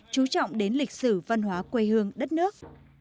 chú trọng đến lịch sử văn hóa quê hương đất nước